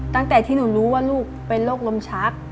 ตั้งแต่ที่หนูรู้ว่าลูกเป็นโรคลมชัก